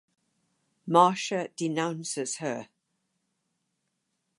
Marcia denounces her.